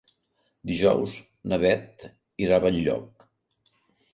Dijous na Beth irà a Benlloc.